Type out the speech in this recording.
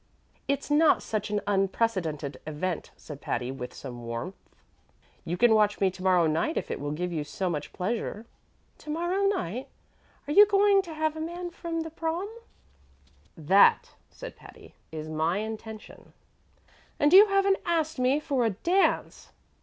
"It's not such an unprecedented event," said Patty, with some warmth. "You can watch me to morrow night if it will give you so much pleasure." "To morrow night? Are you going to have a man for the Prom?" "That," said Patty, "is my intention." "And you haven't asked me for a dance!"